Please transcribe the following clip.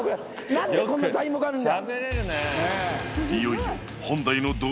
なんでこんな材木あるんだ